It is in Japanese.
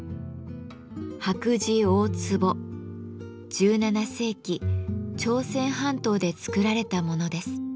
１７世紀朝鮮半島で作られたものです。